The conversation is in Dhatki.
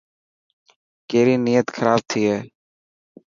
ڪيري نيت کراب ٿي هي.